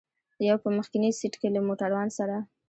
یو په مخکني سېټ کې له موټروان سره.